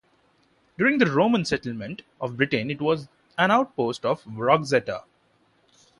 During the Roman settlement of Britain it was an outpost of Wroxeter.